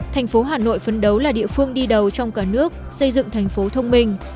thành phố hà nội phấn đấu là địa phương đi đầu trong cả nước xây dựng thành phố thông minh